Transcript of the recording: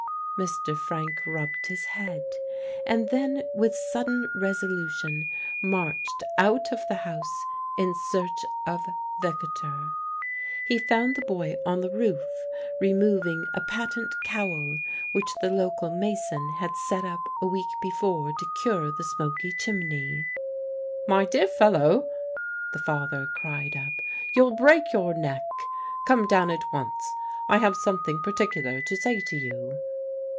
Mr. Frank rubbed his head, and then with sudden resolution marched out of the house in search of Victor. He found the boy on the roof removing a patent cowl which the local mason had set up a week before to cure the smoky chimney. "My dear fellow," the father cried up, "you'll break your neck! Come down at once I have something particular to say to you."